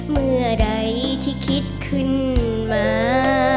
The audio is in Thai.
เมื่อใดที่คิดขึ้นมา